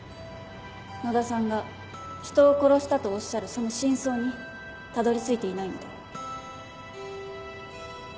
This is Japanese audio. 野田さんが「人を殺した」とおっしゃるその真相にたどり着いていないので。